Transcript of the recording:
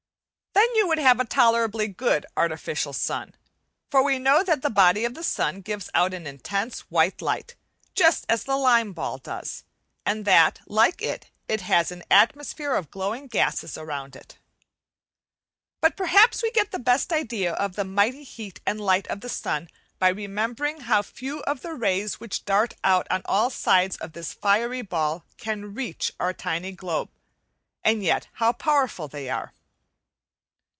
Then you would have a tolerably good artificial sun; for we know that the body of the sun gives out an intense white light, just as the lime ball does, and that , like it, it has an atmosphere of glowing gases round it. But perhaps we get the best idea of the mighty heat and light of the sun by remembering how few of the rays which dart out on all sides from this fiery ball can reach our tiny globe, and yet how powerful they are.